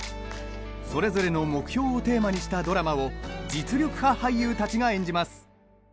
それぞれの目標をテーマにしたドラマを実力派俳優たちが演じます。